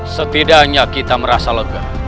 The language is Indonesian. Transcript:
setidaknya kita merasa lega